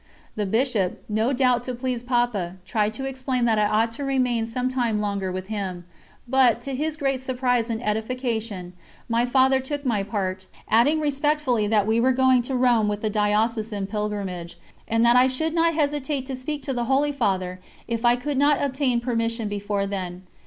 The Bishop, no doubt to please Papa, tried to explain that I ought to remain some time longer with him; but, to his great surprise and edification, my Father took my part, adding respectfully that we were going to Rome with the diocesan pilgrimage, and that I should not hesitate to speak to the Holy Father if I could not obtain permission before then.